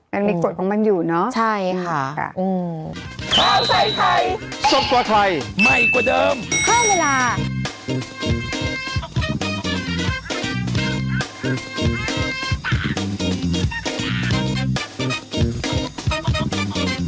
มันมีกฎของมันอยู่เนอะค่ะอืมใช่ค่ะ